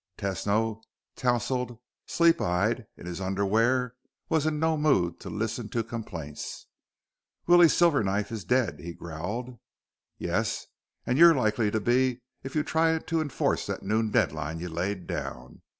Tesno, tousled, sleep eyed, in his underwear, was in no mood to listen to complaints. "Willie Silverknife is dead," he growled. "Yes, and you're likely to be if you try to enforce that noon deadline you laid down.